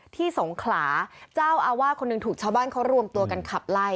สงขลาเจ้าอาวาสคนหนึ่งถูกชาวบ้านเขารวมตัวกันขับไล่